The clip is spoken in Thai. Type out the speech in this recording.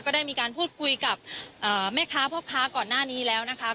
ได้มีการพูดคุยกับแม่ค้าพ่อค้าก่อนหน้านี้แล้วนะคะ